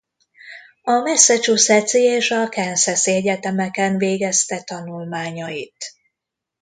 A massachusetts-i és a kansasi egyetemeken végezte tanulmányait.